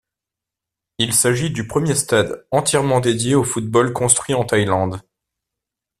Il s'agit du premier stade entièrement dédié au football construit en Thaïlande.